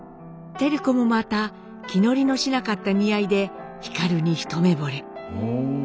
照子もまた気乗りのしなかった見合いで皓に一目ぼれ。